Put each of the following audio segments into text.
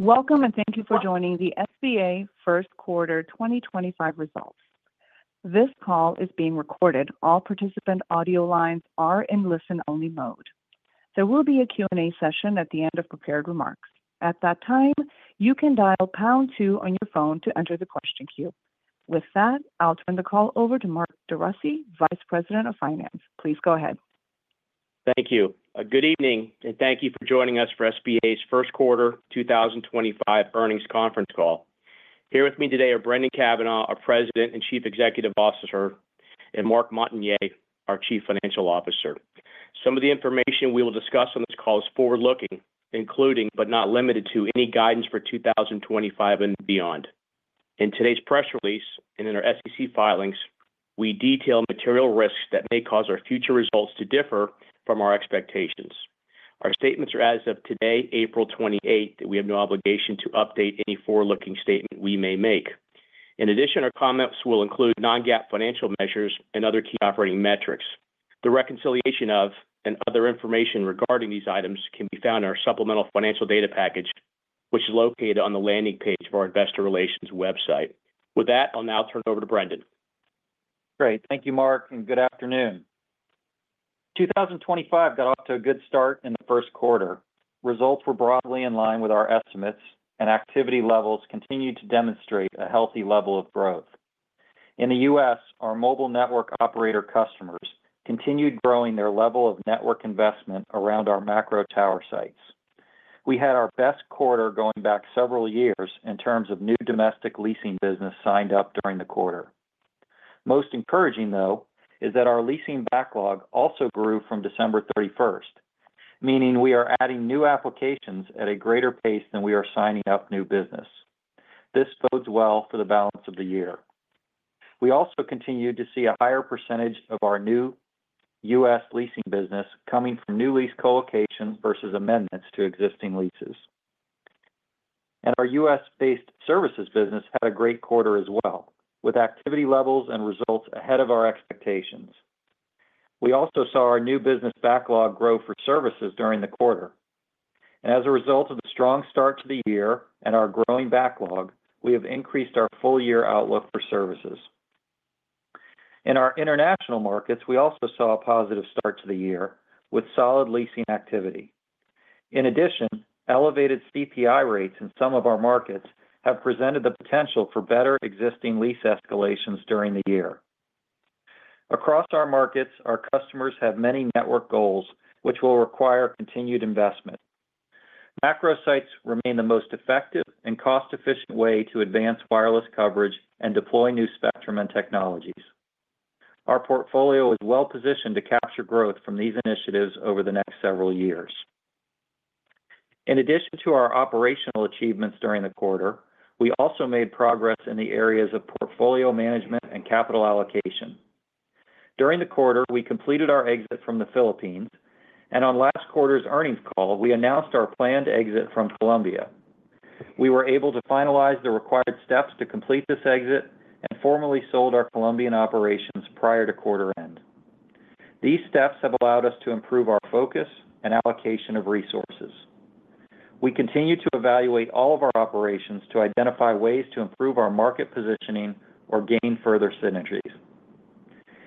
Welcome, and thank you for joining the SBA first quarter 2025 results. This call is being recorded. All participant audio lines are in listen-only mode. There will be a Q&A session at the end of prepared remarks. At that time, you can dial pound two on your phone to enter the question queue. With that, I'll turn the call over to Mark DeRussy, Vice President of Finance. Please go ahead. Thank you. Good evening, and thank you for joining us for SBA's first quarter 2025 earnings conference call. Here with me today are Brendan Cavanagh, our President and Chief Executive Officer, and Marc Montagner, our Chief Financial Officer. Some of the information we will discuss on this call is forward-looking, including but not limited to any guidance for 2025 and beyond. In today's press release and in our SEC filings, we detail material risks that may cause our future results to differ from our expectations. Our statements are, as of today, April 28, that we have no obligation to update any forward-looking statement we may make. In addition, our comments will include non-GAAP financial measures and other key operating metrics. The reconciliation of and other information regarding these items can be found in our supplemental financial data package, which is located on the landing page of our investor relations website. With that, I'll now turn it over to Brendan. Great. Thank you, Mark, and good afternoon. 2025 got off to a good start in the first quarter. Results were broadly in line with our estimates, and activity levels continued to demonstrate a healthy level of growth. In the U.S., our mobile network operator customers continued growing their level of network investment around our macro tower sites. We had our best quarter going back several years in terms of new domestic leasing business signed up during the quarter. Most encouraging, though, is that our leasing backlog also grew from December 31, meaning we are adding new applications at a greater pace than we are signing up new business. This bodes well for the balance of the year. We also continue to see a higher percentage of our new U.S. leasing business coming from new lease colocations versus amendments to existing leases. Our U.S-based services business had a great quarter as well, with activity levels and results ahead of our expectations. We also saw our new business backlog grow for services during the quarter. As a result of the strong start to the year and our growing backlog, we have increased our full-year outlook for services. In our international markets, we also saw a positive start to the year with solid leasing activity. In addition, elevated CPI rates in some of our markets have presented the potential for better existing lease escalations during the year. Across our markets, our customers have many network goals, which will require continued investment. Macro sites remain the most effective and cost-efficient way to advance wireless coverage and deploy new spectrum and technologies. Our portfolio is well-positioned to capture growth from these initiatives over the next several years. In addition to our operational achievements during the quarter, we also made progress in the areas of portfolio management and capital allocation. During the quarter, we completed our exit from the Philippines, and on last quarter's earnings call, we announced our planned exit from Colombia. We were able to finalize the required steps to complete this exit and formally sold our Colombian operations prior to quarter end. These steps have allowed us to improve our focus and allocation of resources. We continue to evaluate all of our operations to identify ways to improve our market positioning or gain further synergies.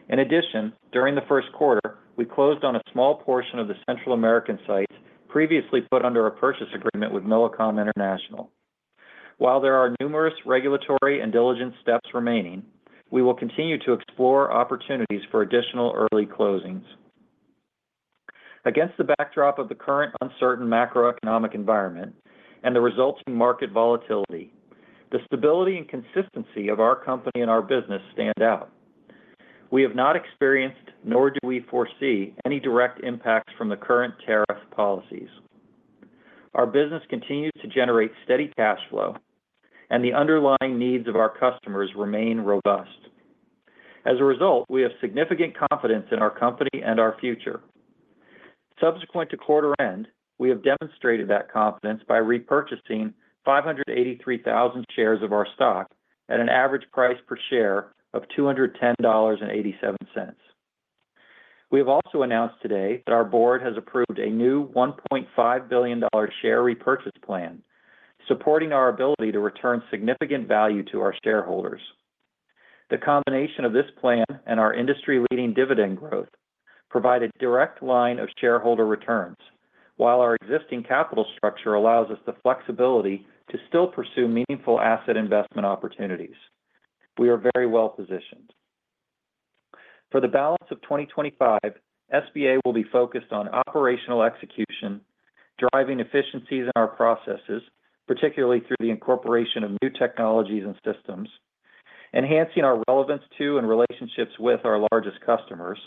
In addition, during the first quarter, we closed on a small portion of the Central American sites previously put under a purchase agreement with Millicom International. While there are numerous regulatory and diligence steps remaining, we will continue to explore opportunities for additional early closings. Against the backdrop of the current uncertain macroeconomic environment and the resulting market volatility, the stability and consistency of our company and our business stand out. We have not experienced, nor do we foresee, any direct impacts from the current tariff policies. Our business continues to generate steady cash flow, and the underlying needs of our customers remain robust. As a result, we have significant confidence in our company and our future. Subsequent to quarter end, we have demonstrated that confidence by repurchasing 583,000 shares of our stock at an average price per share of $210.87. We have also announced today that our board has approved a new $1.5 billion share repurchase plan, supporting our ability to return significant value to our shareholders. The combination of this plan and our industry-leading dividend growth provides a direct line of shareholder returns, while our existing capital structure allows us the flexibility to still pursue meaningful asset investment opportunities. We are very well-positioned. For the balance of 2025, SBA will be focused on operational execution, driving efficiencies in our processes, particularly through the incorporation of new technologies and systems, enhancing our relevance to and relationships with our largest customers,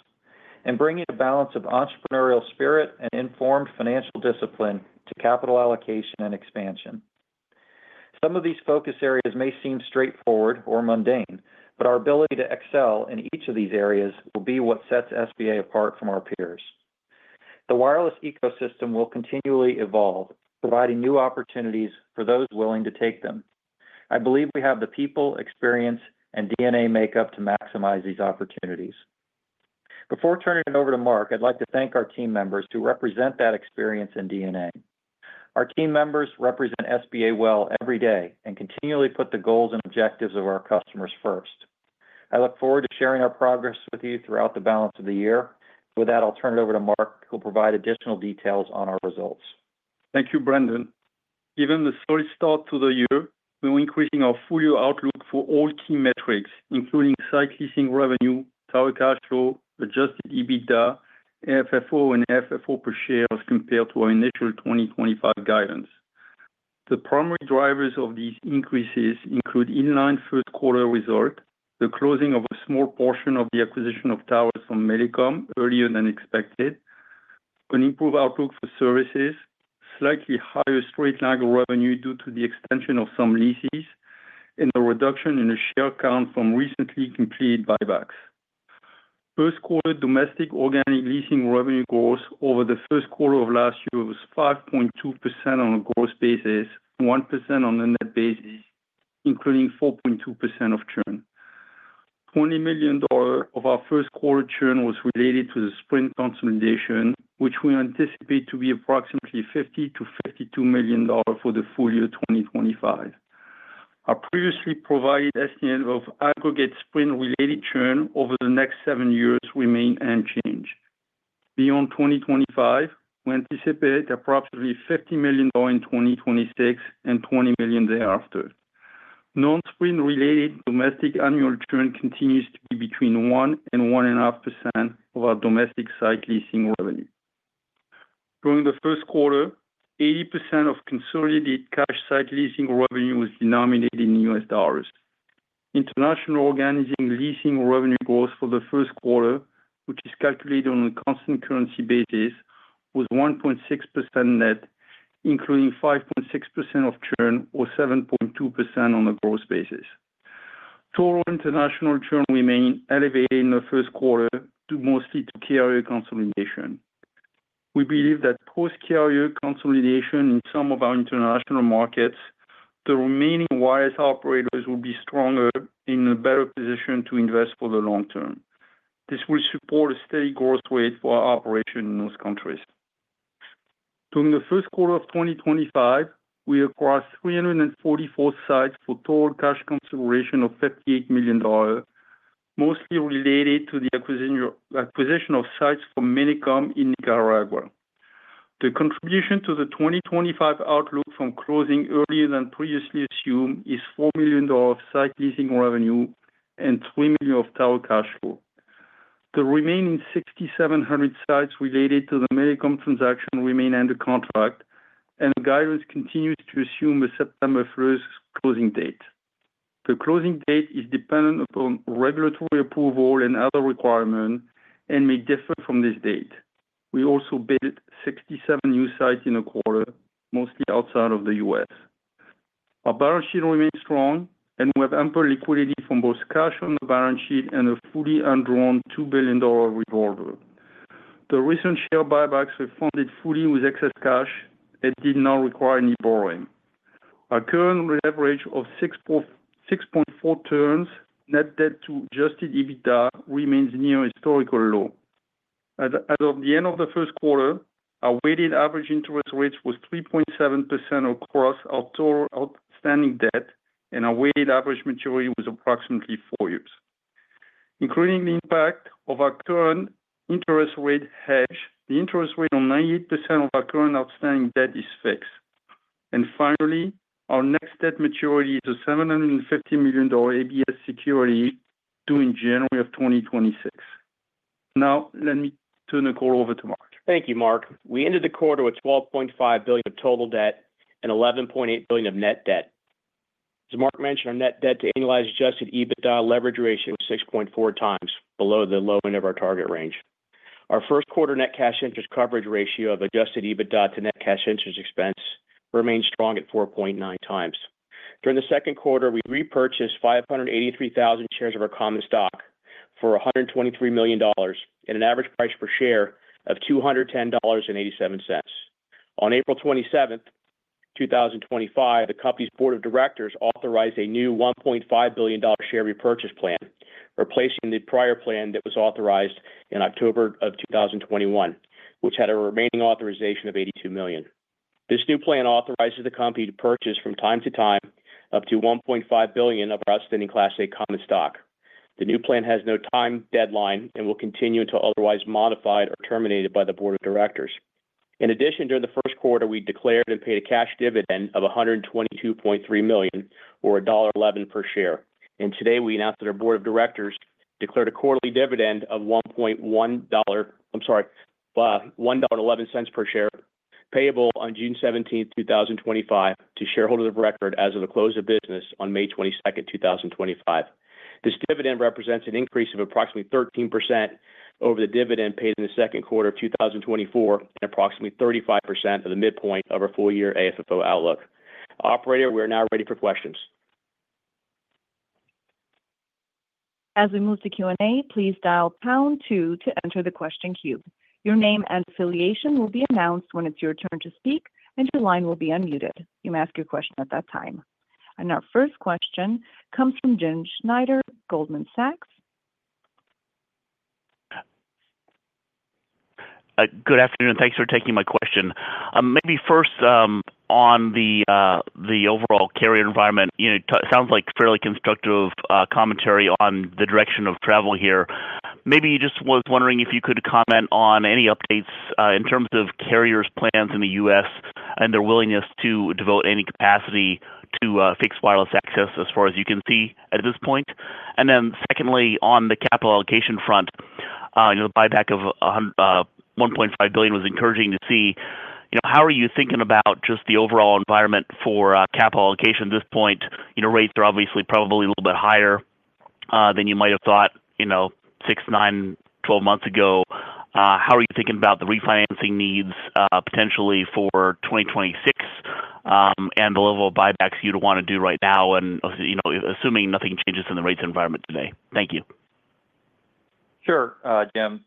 and bringing a balance of entrepreneurial spirit and informed financial discipline to capital allocation and expansion. Some of these focus areas may seem straightforward or mundane, but our ability to excel in each of these areas will be what sets SBA apart from our peers. The wireless ecosystem will continually evolve, providing new opportunities for those willing to take them. I believe we have the people, experience, and DNA makeup to maximize these opportunities. Before turning it over to Marc, I'd like to thank our team members who represent that experience and DNA. Our team members represent SBA well every day and continually put the goals and objectives of our customers first. I look forward to sharing our progress with you throughout the balance of the year. With that, I'll turn it over to Marc, who will provide additional details on our results. Thank you, Brendan. Given the solid start to the year, we are increasing our full-year outlook for all key metrics, including site leasing revenue, tower cash flow, adjusted EBITDA, AFFO, and AFFO per share as compared to our initial 2025 guidance. The primary drivers of these increases include inline first quarter result, the closing of a small portion of the acquisition of towers from Millicom earlier than expected, an improved outlook for services, slightly higher straight-line revenue due to the extension of some leases, and a reduction in the share count from recently completed buybacks. First quarter domestic organic leasing revenue growth over the first quarter of last year was 5.2% on a gross basis, 1% on a net basis, including 4.2% of churn. $20 million of our first quarter churn was related to the Sprint consolidation, which we anticipate to be approximately $50-$52 million for the full year 2025. Our previously provided estimate of aggregate Sprint-related churn over the next seven years remains unchanged. Beyond 2025, we anticipate approximately $50 million in 2026 and $20 million thereafter. Non-Sprint related domestic annual churn continues to be between 1%-1.5% of our domestic site leasing revenue. During the first quarter, 80% of consolidated cash site leasing revenue was denominated in U.S. dollars. International organic leasing revenue growth for the first quarter, which is calculated on a constant currency basis, was 1.6% net, including 5.6% of churn or 7.2% on a gross basis. Total international churn remained elevated in the first quarter mostly due to carrier consolidation. We believe that post-carrier consolidation in some of our international markets, the remaining wireless operators will be stronger and in a better position to invest for the long term. This will support a steady growth rate for our operation in those countries. During the first quarter of 2025, we acquired 344 sites for total cash consideration of $58 million, mostly related to the acquisition of sites from Millicom in Nicaragua. The contribution to the 2025 outlook from closing earlier than previously assumed is $4 million of site leasing revenue and $3 million of tower cash flow. The remaining 6,700 sites related to the Millicom transaction remain under contract, and the guidance continues to assume a September 1 closing date. The closing date is dependent upon regulatory approval and other requirements and may differ from this date. We also built 67 new sites in the quarter, mostly outside of the U.S. Our balance sheet remains strong, and we have ample liquidity from both cash on the balance sheet and a fully undrawn $2 billion revolver. The recent share buybacks were funded fully with excess cash and did not require any borrowing. Our current leverage of 6.4 turns, net debt to adjusted EBITDA, remains near historical low. At the end of the first quarter, our weighted average interest rate was 3.7% across our total outstanding debt, and our weighted average maturity was approximately four years. Including the impact of our current interest rate hedge, the interest rate on 98% of our current outstanding debt is fixed. Finally, our next debt maturity is a $750 million ABS security due in January of 2026. Now, let me turn the call over to Mark. Thank you, Marc. We ended the quarter with $12.5 billion of total debt and $11.8 billion of net debt. As Marc mentioned, our net debt to annualized adjusted EBITDA leverage ratio was 6.4 times below the low end of our target range. Our first quarter net cash interest coverage ratio of adjusted EBITDA to net cash interest expense remained strong at 4.9 times. During the second quarter, we repurchased 583,000 shares of our common stock for $123 million at an average price per share of $210.87. On April 27, 2025, the company's board of directors authorized a new $1.5 billion share repurchase plan, replacing the prior plan that was authorized in October of 2021, which had a remaining authorization of $82 million. This new plan authorizes the company to purchase from time to time up to $1.5 billion of our outstanding Class A common stock. The new plan has no time deadline and will continue until otherwise modified or terminated by the board of directors. In addition, during the first quarter, we declared and paid a cash dividend of $122.3 million, or $1.11 per share. Today, we announced that our board of directors declared a quarterly dividend of $1.11 per share, payable on June 17, 2025, to shareholders of record as of the close of business on May 22, 2025. This dividend represents an increase of approximately 13% over the dividend paid in the second quarter of 2024 and approximately 35% of the midpoint of our full-year AFFO outlook. Operator, we are now ready for questions. As we move to Q&A, please dial pound two to enter the question queue. Your name and affiliation will be announced when it's your turn to speak, and your line will be unmuted. You may ask your question at that time. Our first question comes from Jim Schneider, Goldman Sachs. Good afternoon. Thanks for taking my question. Maybe first, on the overall carrier environment, it sounds like fairly constructive commentary on the direction of travel here. Maybe you just - was wondering if you could comment on any updates in terms of carriers' plans in the U.S. and their willingness to devote any capacity to fixed wireless access as far as you can see at this point. Secondly, on the capital allocation front, the buyback of $1.5 billion was encouraging to see. How are you thinking about just the overall environment for capital allocation at this point? Rates are obviously probably a little bit higher than you might have thought 6, 9, 12 months ago. How are you thinking about the refinancing needs potentially for 2026 and the level of buybacks you'd want to do right now, assuming nothing changes in the rates environment today? Thank you. Sure, Jim.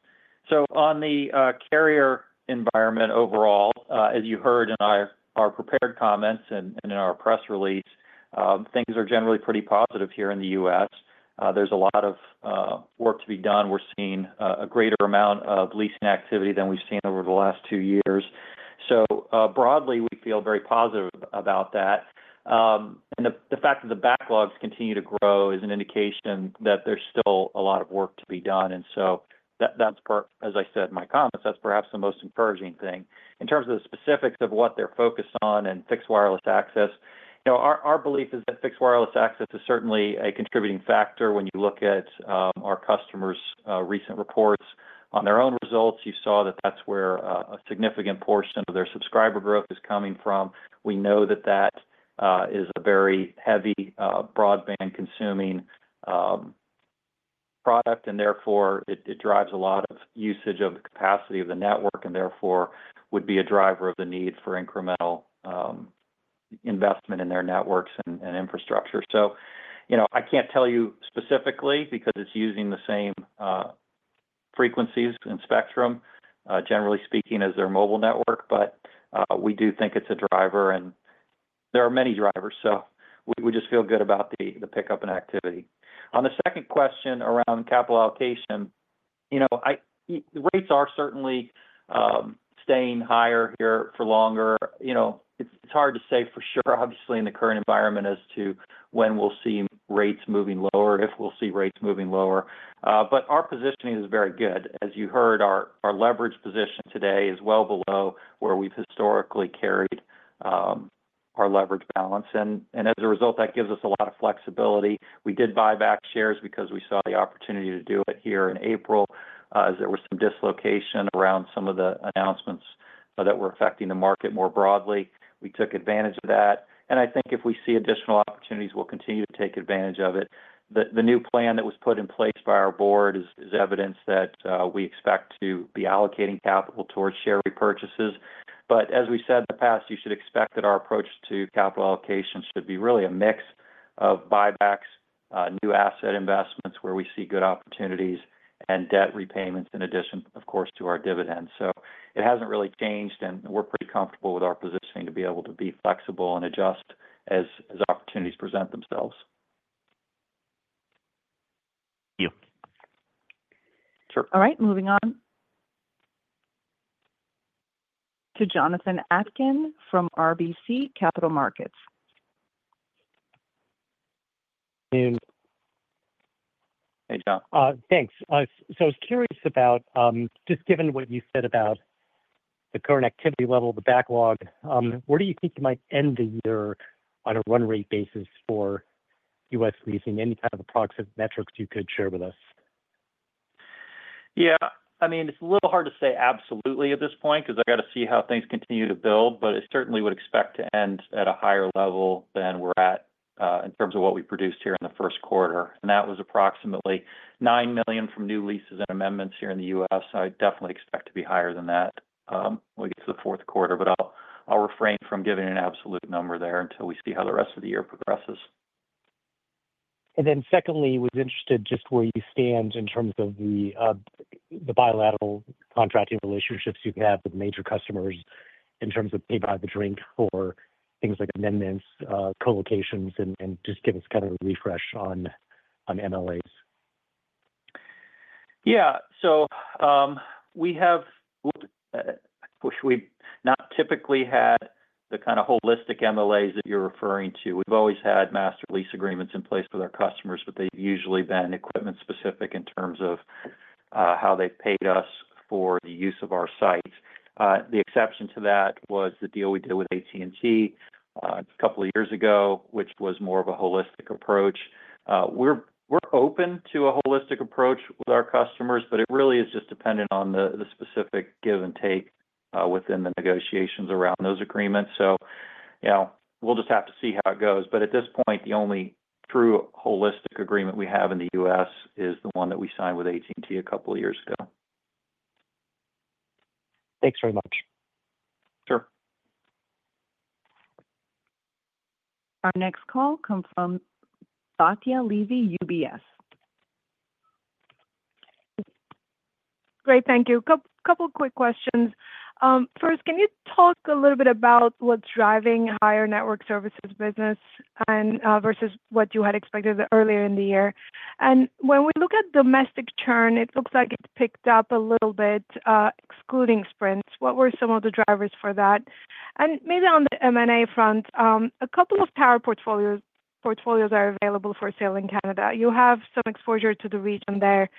On the carrier environment overall, as you heard in our prepared comments and in our press release, things are generally pretty positive here in the U.S. There's a lot of work to be done. We're seeing a greater amount of leasing activity than we've seen over the last two years. Broadly, we feel very positive about that. The fact that the backlogs continue to grow is an indication that there's still a lot of work to be done. As I said in my comments, that's perhaps the most encouraging thing. In terms of the specifics of what they're focused on and fixed wireless access, our belief is that fixed wireless access is certainly a contributing factor when you look at our customers' recent reports. On their own results, you saw that that's where a significant portion of their subscriber growth is coming from. We know that that is a very heavy broadband-consuming product, and therefore it drives a lot of usage of the capacity of the network and therefore would be a driver of the need for incremental investment in their networks and infrastructure. I can't tell you specifically because it's using the same frequencies and spectrum, generally speaking, as their mobile network, but we do think it's a driver. There are many drivers, so we just feel good about the pickup and activity. On the second question around capital allocation, rates are certainly staying higher here for longer. It's hard to say for sure, obviously, in the current environment as to when we'll see rates moving lower, if we'll see rates moving lower. Our positioning is very good. As you heard, our leverage position today is well below where we've historically carried our leverage balance. As a result, that gives us a lot of flexibility. We did buy back shares because we saw the opportunity to do it here in April as there was some dislocation around some of the announcements that were affecting the market more broadly. We took advantage of that. I think if we see additional opportunities, we'll continue to take advantage of it. The new plan that was put in place by our board is evidence that we expect to be allocating capital towards share repurchases. As we said in the past, you should expect that our approach to capital allocation should be really a mix of buybacks, new asset investments where we see good opportunities, and debt repayments in addition, of course, to our dividends. It hasn't really changed, and we're pretty comfortable with our positioning to be able to be flexible and adjust as opportunities present themselves. Thank you. Sure. All right. Moving on to Jonathan Atkin from RBC Capital Markets. Thanks. I was curious about, just given what you said about the current activity level, the backlog, where do you think you might end the year on a run rate basis for U.S. leasing? Any kind of approximate metrics you could share with us? Yeah. I mean, it's a little hard to say absolutely at this point because I got to see how things continue to build, but I certainly would expect to end at a higher level than we're at in terms of what we produced here in the first quarter. That was approximately $9 million from new leases and amendments here in the U.S. I definitely expect to be higher than that when we get to the fourth quarter, but I'll refrain from giving an absolute number there until we see how the rest of the year progresses. Secondly, I was interested just where you stand in terms of the bilateral contracting relationships you have with major customers in terms of pay-by-the-drink for things like amendments, colocations, and just give us kind of a refresh on MLAs. Yeah. We have, I wish we not typically had the kind of holistic MLAs that you're referring to. We've always had master lease agreements in place with our customers, but they've usually been equipment-specific in terms of how they've paid us for the use of our sites. The exception to that was the deal we did with AT&T a couple of years ago, which was more of a holistic approach. We're open to a holistic approach with our customers, but it really is just dependent on the specific give and take within the negotiations around those agreements. We'll just have to see how it goes. At this point, the only true holistic agreement we have in the U.S. is the one that we signed with AT&T a couple of years ago. Thanks very much. Sure. Our next call comes from Batya Levi, UBS. Great. Thank you. A couple of quick questions. First, can you talk a little bit about what's driving higher network services business versus what you had expected earlier in the year? When we look at domestic churn, it looks like it's picked up a little bit, excluding Sprint. What were some of the drivers for that? Maybe on the M&A front, a couple of tower portfolios are available for sale in Canada. You have some exposure to the region there,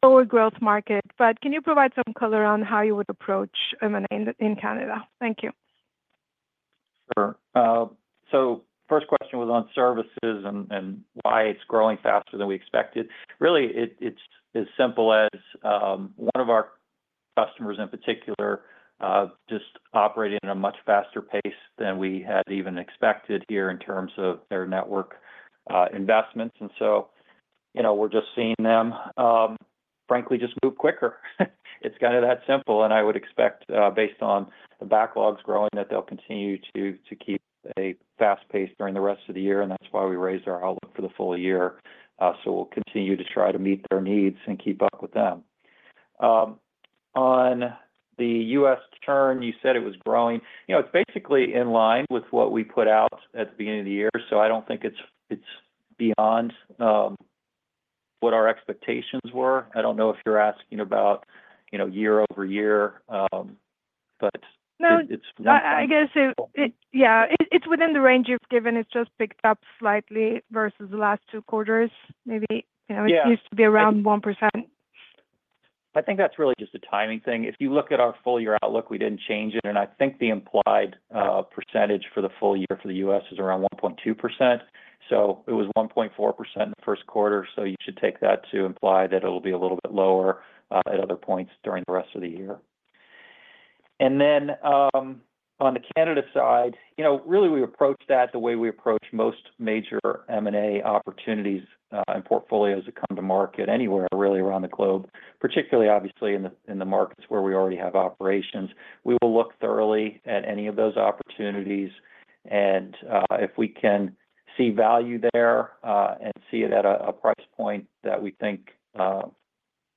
slower growth market, but can you provide some color on how you would approach M&A in Canada? Thank you. Sure. First question was on services and why it's growing faster than we expected. Really, it's as simple as one of our customers in particular just operating at a much faster pace than we had even expected here in terms of their network investments. We're just seeing them, frankly, just move quicker. It's kind of that simple. I would expect, based on the backlogs growing, that they'll continue to keep a fast pace during the rest of the year, and that's why we raised our outlook for the full year. We'll continue to try to meet their needs and keep up with them. On the U.S. churn, you said it was growing. It's basically in line with what we put out at the beginning of the year, so I don't think it's beyond what our expectations were. I don't know if you're asking about year over year, but it's not that. No. I guess, yeah, it's within the range you've given. It's just picked up slightly versus the last two quarters. Maybe it used to be around 1%. I think that's really just a timing thing. If you look at our full-year outlook, we didn't change it. I think the implied percentage for the full year for the U.S. is around 1.2%. It was 1.4% in the first quarter, so you should take that to imply that it'll be a little bit lower at other points during the rest of the year. On the Canada side, really, we approached that the way we approach most major M&A opportunities and portfolios that come to market anywhere really around the globe, particularly, obviously, in the markets where we already have operations. We will look thoroughly at any of those opportunities. If we can see value there and see it at a price point that we think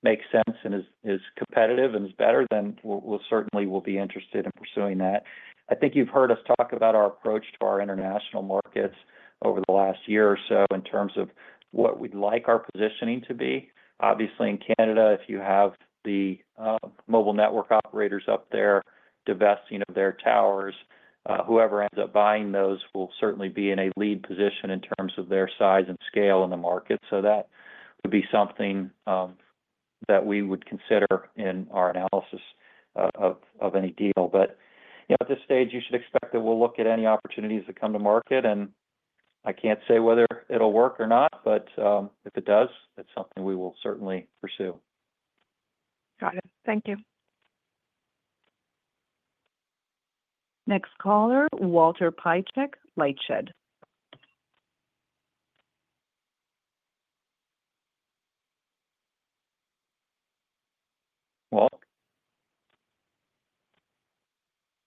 makes sense and is competitive and is better, then certainly we'll be interested in pursuing that. I think you've heard us talk about our approach to our international markets over the last year or so in terms of what we'd like our positioning to be. Obviously, in Canada, if you have the mobile network operators up there divesting of their towers, whoever ends up buying those will certainly be in a lead position in terms of their size and scale in the market. That would be something that we would consider in our analysis of any deal. At this stage, you should expect that we'll look at any opportunities that come to market. I can't say whether it'll work or not, but if it does, it's something we will certainly pursue. Got it. Thank you. Next caller, Walter Piecyk, LightShed.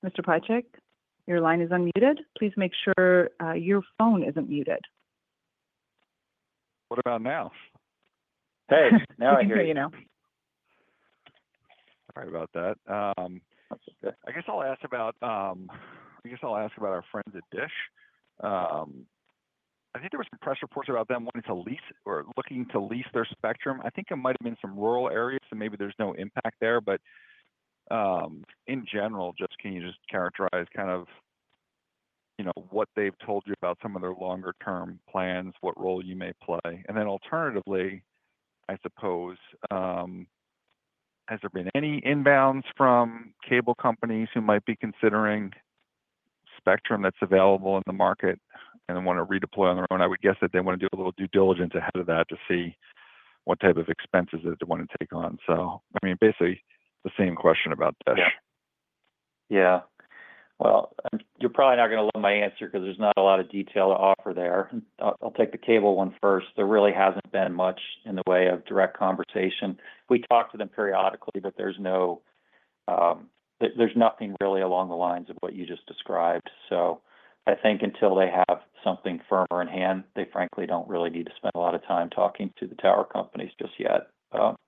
Mr. Piecyk, your line is unmuted. Please make sure your phone isn't muted. What about now? Hey, now I hear you. I can hear you now. Sorry about that. I guess I'll ask about our friends at DISH. I think there were some press reports about them wanting to lease or looking to lease their spectrum. I think it might have been some rural areas, so maybe there's no impact there. In general, can you just characterize kind of what they've told you about some of their longer-term plans, what role you may play? Alternatively, I suppose, has there been any inbounds from cable companies who might be considering Spectrum that's available in the market and want to redeploy on their own? I would guess that they want to do a little due diligence ahead of that to see what type of expenses that they want to take on. I mean, basically, the same question about DISH. Yeah. Yeah. You're probably not going to love my answer because there's not a lot of detail to offer there. I'll take the cable one first. There really hasn't been much in the way of direct conversation. We talk to them periodically, but there's nothing really along the lines of what you just described. I think until they have something firmer in hand, they frankly don't really need to spend a lot of time talking to the tower companies just yet.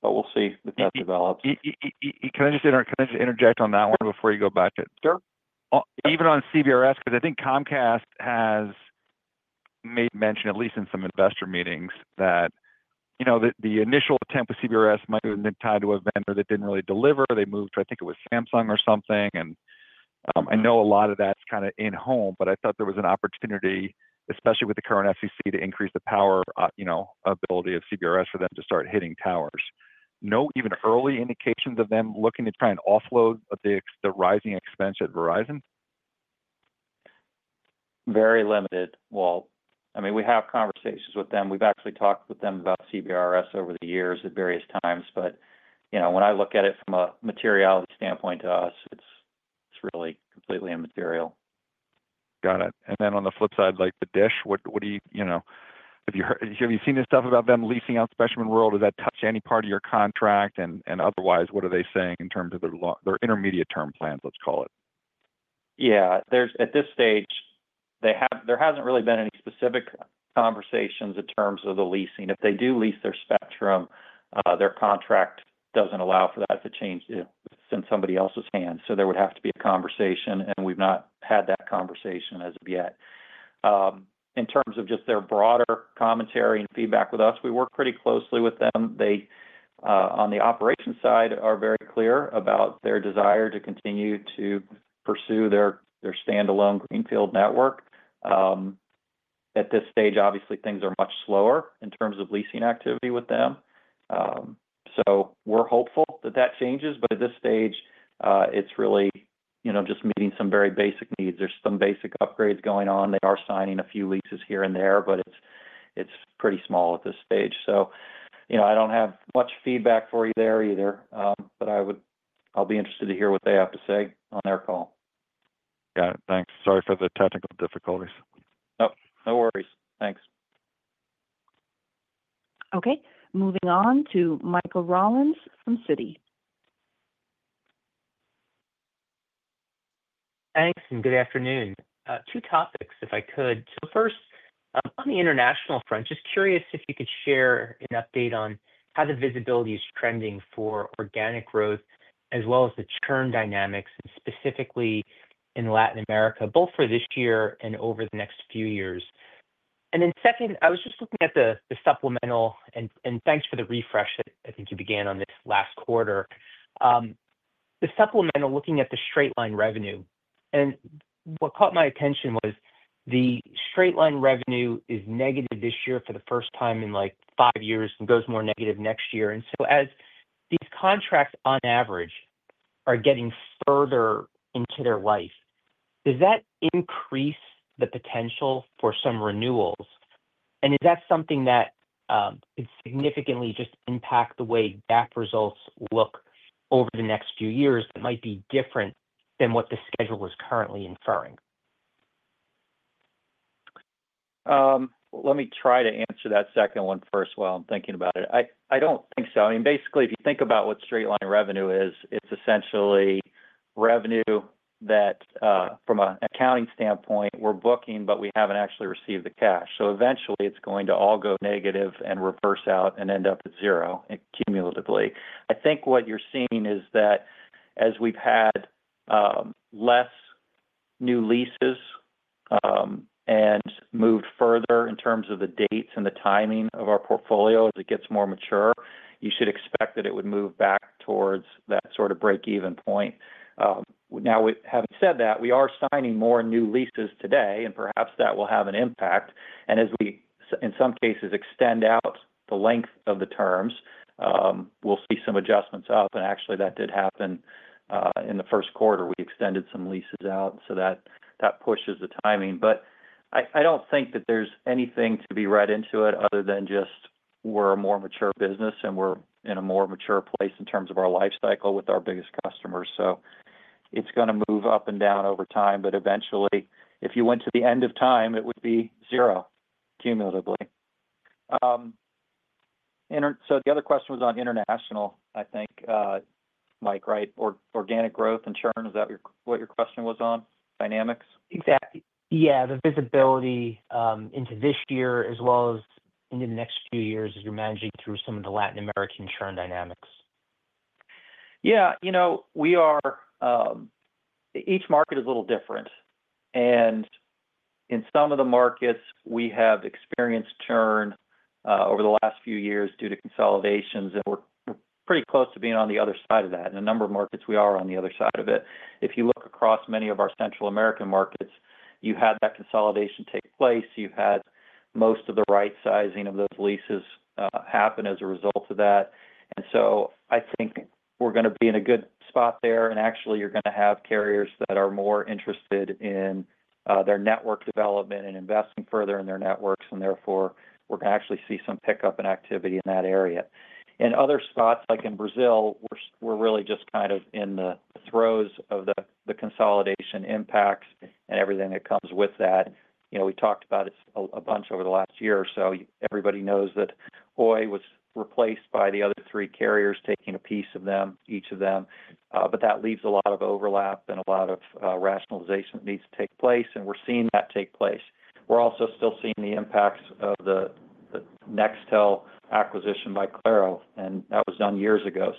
We'll see if that develops. Can I just interject on that one before you go back? Sure. Even on CBRS, because I think Comcast has made mention, at least in some investor meetings, that the initial attempt with CBRS might have been tied to a vendor that didn't really deliver. They moved to, I think it was Samsung or something. I know a lot of that's kind of in home, but I thought there was an opportunity, especially with the current FCC, to increase the power ability of CBRS for them to start hitting towers. No even early indications of them looking to try and offload the rising expense at Verizon? Very limited Walt. I mean, we have conversations with them. We've actually talked with them about CBRS over the years at various times. But when I look at it from a materiality standpoint to us, it's really completely immaterial. Got it. On the flip side, like the DISH, what do you have, have you seen this stuff about them leasing out their spectrum in rural? Does that touch any part of your contract? Otherwise, what are they saying in terms of their intermediate-term plans, let's call it? Yeah. At this stage, there hasn't really been any specific conversations in terms of the leasing. If they do lease their spectrum, their contract doesn't allow for that to change since somebody else's hand. There would have to be a conversation, and we've not had that conversation as of yet. In terms of just their broader commentary and feedback with us, we work pretty closely with them. They, on the operations side, are very clear about their desire to continue to pursue their standalone greenfield network. At this stage, obviously, things are much slower in terms of leasing activity with them. We're hopeful that that changes. At this stage, it's really just meeting some very basic needs. There's some basic upgrades going on. They are signing a few leases here and there, but it's pretty small at this stage. I don't have much feedback for you there either, but I'll be interested to hear what they have to say on their call. Got it. Thanks. Sorry for the technical difficulties. Nope. No worries. Thanks. Okay. Moving on to Michael Rollins from Citi. Thanks. Good afternoon. Two topics, if I could. First, on the international front, just curious if you could share an update on how the visibility is trending for organic growth as well as the churn dynamics, specifically in Latin America, both for this year and over the next few years. Second, I was just looking at the supplemental, and thanks for the refresh that I think you began on this last quarter. The supplemental, looking at the straight-line revenue. What caught my attention was the straight-line revenue is negative this year for the first time in like five years and goes more negative next year. As these contracts, on average, are getting further into their life, does that increase the potential for some renewals? Is that something that could significantly just impact the way GAAP results look over the next few years that might be different than what the schedule is currently inferring? Let me try to answer that second one first while I'm thinking about it. I don't think so. I mean, basically, if you think about what straight-line revenue is, it's essentially revenue that, from an accounting standpoint, we're booking, but we haven't actually received the cash. Eventually, it's going to all go negative and reverse out and end up at zero cumulatively. I think what you're seeing is that as we've had less new leases and moved further in terms of the dates and the timing of our portfolio as it gets more mature, you should expect that it would move back towards that sort of break-even point. Now, having said that, we are signing more new leases today, and perhaps that will have an impact. As we, in some cases, extend out the length of the terms, we'll see some adjustments up. Actually, that did happen in the first quarter. We extended some leases out, so that pushes the timing. I do not think that there is anything to be read into it other than just we are a more mature business, and we are in a more mature place in terms of our lifecycle with our biggest customers. It is going to move up and down over time. Eventually, if you went to the end of time, it would be zero cumulatively. The other question was on international, I think, Mike, right? Organic growth and churn, is that what your question was on? Dynamics? Exactly. Yeah. The visibility into this year as well as into the next few years as you're managing through some of the Latin American churn dynamics. Yeah. Each market is a little different. In some of the markets, we have experienced churn over the last few years due to consolidations, and we're pretty close to being on the other side of that. In a number of markets, we are on the other side of it. If you look across many of our Central American markets, you had that consolidation take place. You had most of the right-sizing of those leases happen as a result of that. I think we're going to be in a good spot there. Actually, you're going to have carriers that are more interested in their network development and investing further in their networks. Therefore, we're going to actually see some pickup in activity in that area. In other spots, like in Brazil, we're really just kind of in the throes of the consolidation impacts and everything that comes with that. We talked about it a bunch over the last year or so. Everybody knows that Oi was replaced by the other three carriers, taking a piece of them, each of them. That leaves a lot of overlap and a lot of rationalization that needs to take place. We are seeing that take place. We're also still seeing the impacts of the Nextel acquisition by Claro. That was done years ago.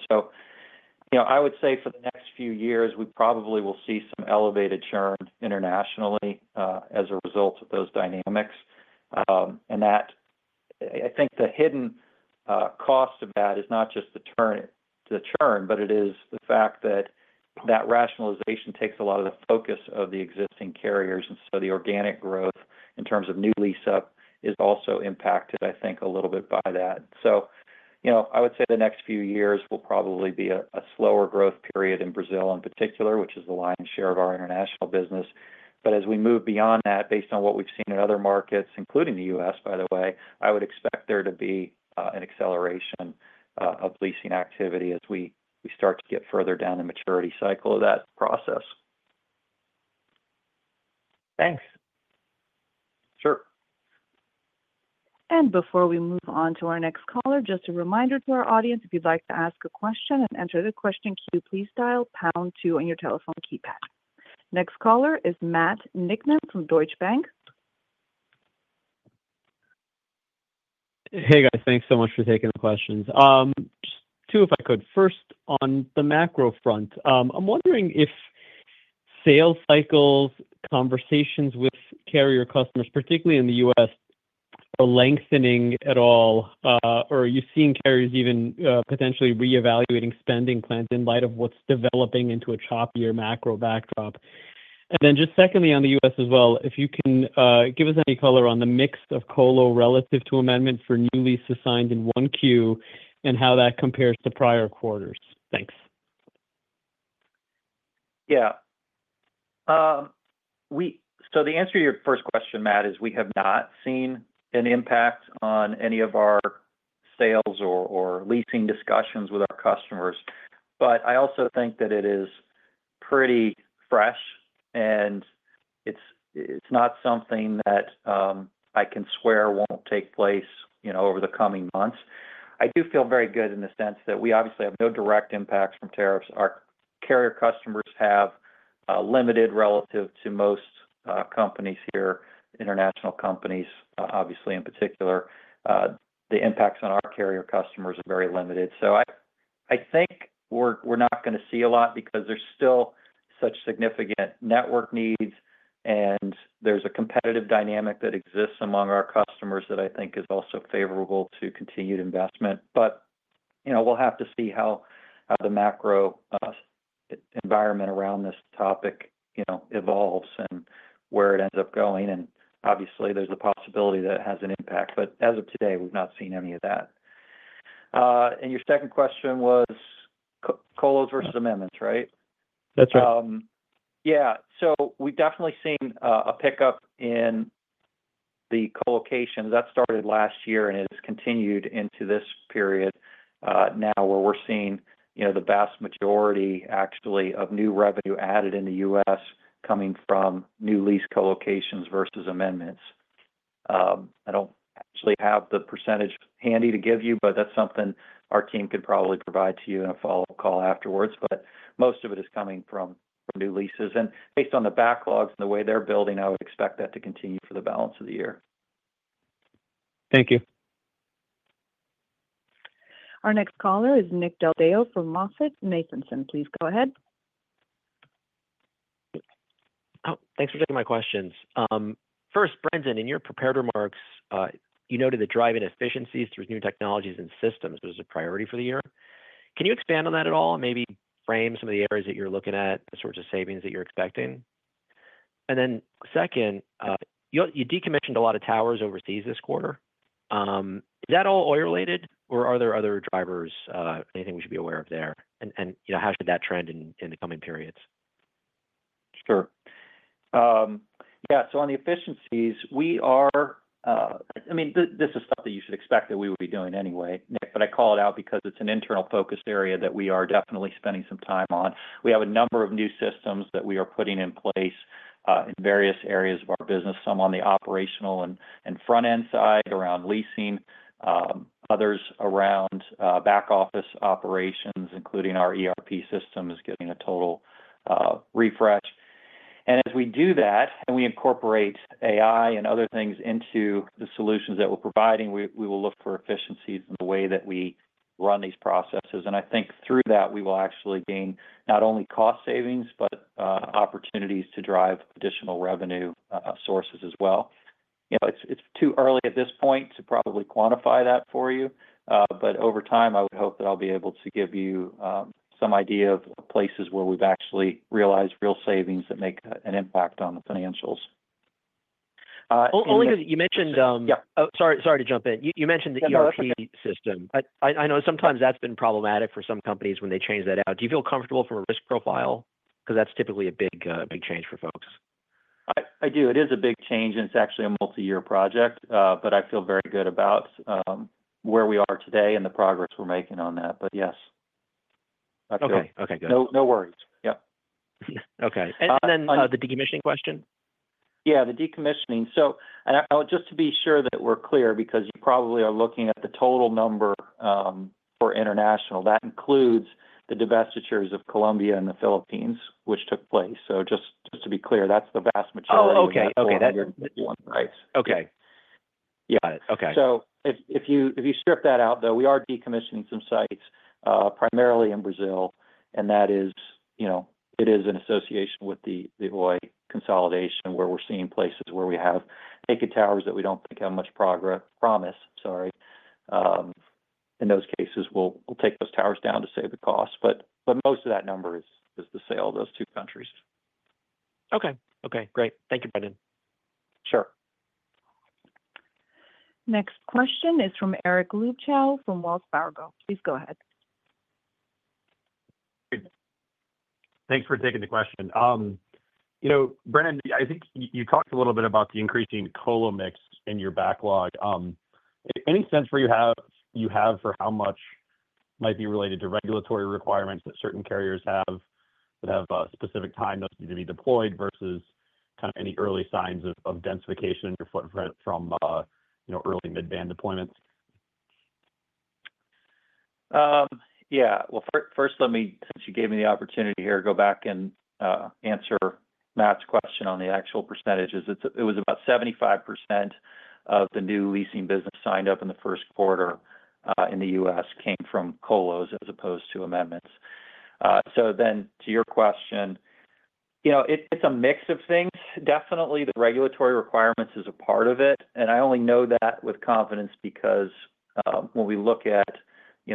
I would say for the next few years, we probably will see some elevated churn internationally as a result of those dynamics. I think the hidden cost of that is not just the churn, but it is the fact that that rationalization takes a lot of the focus of the existing carriers. The organic growth in terms of new lease-up is also impacted, I think, a little bit by that. I would say the next few years will probably be a slower growth period in Brazil in particular, which is the lion's share of our international business. As we move beyond that, based on what we've seen in other markets, including the U.S., by the way, I would expect there to be an acceleration of leasing activity as we start to get further down the maturity cycle of that process. Thanks. Sure. Before we move on to our next caller, just a reminder to our audience, if you'd like to ask a question and enter the question queue, please dial pound two on your telephone keypad. Next caller is Matt Niknam from Deutsche Bank. Hey, guys. Thanks so much for taking the questions. Just two, if I could. First, on the macro front, I'm wondering if sales cycles, conversations with carrier customers, particularly in the U.S., are lengthening at all, or are you seeing carriers even potentially reevaluating spending plans in light of what's developing into a choppier macro backdrop? Just secondly, on the U.S. as well, if you can give us any color on the mix of colo relative to amendment for new lease assigned in 1Q and how that compares to prior quarters. Thanks. Yeah. The answer to your first question, Matt, is we have not seen an impact on any of our sales or leasing discussions with our customers. I also think that it is pretty fresh, and it's not something that I can swear won't take place over the coming months. I do feel very good in the sense that we obviously have no direct impact from tariffs. Our carrier customers have limited, relative to most companies here, international companies, in particular. The impacts on our carrier customers are very limited. I think we're not going to see a lot because there's still such significant network needs, and there's a competitive dynamic that exists among our customers that I think is also favorable to continued investment. We'll have to see how the macro environment around this topic evolves and where it ends up going. Obviously, there's a possibility that it has an impact. As of today, we've not seen any of that. Your second question was colos versus amendments, right? That's right. Yeah. We have definitely seen a pickup in the colocation. That started last year and has continued into this period now where we are seeing the vast majority, actually, of new revenue added in the U.S. coming from new lease colocations versus amendments. I do not actually have the percentage handy to give you, but that is something our team could probably provide to you in a follow-up call afterwards. Most of it is coming from new leases. Based on the backlogs and the way they are building, I would expect that to continue for the balance of the year. Thank you. Our next caller is Nick Del Deo from MoffettNathanson. Please go ahead. Oh, thanks for taking my questions. First, Brendan, in your prepared remarks, you noted that driving efficiencies through new technologies and systems was a priority for the year. Can you expand on that at all and maybe frame some of the areas that you're looking at, the sorts of savings that you're expecting? Second, you decommissioned a lot of towers overseas this quarter. Is that all Oi-related, or are there other drivers, anything we should be aware of there? How should that trend in the coming periods? Sure. Yeah. On the efficiencies, we are, I mean, this is stuff that you should expect that we would be doing anyway, Nick, but I call it out because it's an internal-focused area that we are definitely spending some time on. We have a number of new systems that we are putting in place in various areas of our business, some on the operational and front-end side around leasing, others around back-office operations, including our ERP systems getting a total refresh. As we do that and we incorporate AI and other things into the solutions that we're providing, we will look for efficiencies in the way that we run these processes. I think through that, we will actually gain not only cost savings, but opportunities to drive additional revenue sources as well. It's too early at this point to probably quantify that for you. Over time, I would hope that I'll be able to give you some idea of places where we've actually realized real savings that make an impact on the financials. Only because you mentioned—sorry to jump in. You mentioned the ERP system. I know sometimes that's been problematic for some companies when they change that out. Do you feel comfortable for a risk profile? Because that's typically a big change for folks. I do. It is a big change, and it's actually a multi-year project. I feel very good about where we are today and the progress we're making on that. Yes. Okay. Okay. Good. No worries. Yep. Okay. The decommissioning question? Yeah, the decommissioning. Just to be sure that we're clear, because you probably are looking at the total number for international, that includes the divestitures of Colombia and the Philippines, which took place. Just to be clear, that's the vast majority of the year on sites. Oh, okay. Okay. Right. Okay. Yeah. Okay. If you strip that out, though, we are decommissioning some sites, primarily in Brazil. That is, it is in association with the Oi consolidation, where we're seeing places where we have naked towers that we don't think have much promise. Sorry. In those cases, we'll take those towers down to save the cost. Most of that number is the sale, those two countries. Okay. Okay. Great. Thank you, Brendan. Sure. Next question is from Eric Luebchow from Wells Fargo. Please go ahead. Thanks for taking the question. Brendan, I think you talked a little bit about the increasing colo mix in your backlog. Any sense for you have for how much might be related to regulatory requirements that certain carriers have that have a specific time those need to be deployed versus kind of any early signs of densification in your footprint from early mid-band deployments? Yeah. First, since you gave me the opportunity here, go back and answer Matt's question on the actual percentages. It was about 75% of the new leasing business signed up in the first quarter in the U.S. came from colos as opposed to amendments. To your question, it's a mix of things. Definitely, the regulatory requirements is a part of it. I only know that with confidence because when we look at